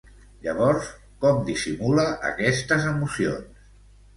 Llavors, com dissimula aquestes emocions?